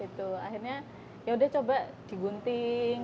itu akhirnya yaudah coba diguntung